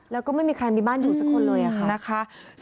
แล้วก็ไม่มีใครมีบ้านอยู่สักคนเลยค่ะนะคะ